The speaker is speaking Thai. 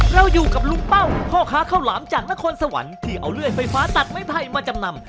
เราอยู่กับลุงเป้าพ่อค้าข้าวหลามจากนครสวรรค์ที่เอาเลื่อยไฟฟ้าตัดไม้ไผ่มาจำนำ